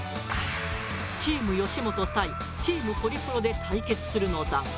チーム吉本対チームホリプロで対決するのだが。